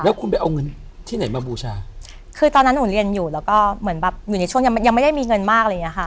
แล้วคุณไปเอาเงินที่ไหนมาบูชาคือตอนนั้นหนูเรียนอยู่แล้วก็เหมือนแบบอยู่ในช่วงยังยังไม่ได้มีเงินมากอะไรอย่างเงี้ค่ะ